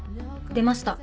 出ました。